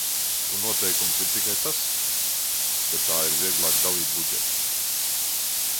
Un noteikums ir tikai tas, ka tā ir vieglāk dalīt budžetu.